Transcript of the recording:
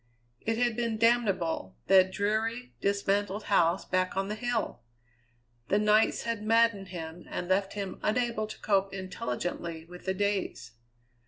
It had been damnable that dreary, dismantled house back on the hill! The nights had maddened him and left him unable to cope intelligently with the days.